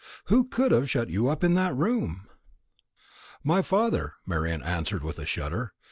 who could have shut you up in that room?" "My father," Marian answered with a shudder.